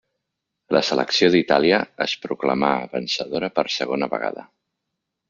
La selecció d'Itàlia es proclamà vencedora per segona vegada.